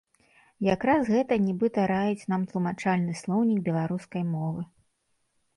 Якраз гэта нібыта раіць нам тлумачальны слоўнік беларускай мовы.